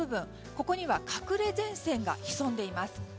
ここにはかくれ前線が潜んでいます。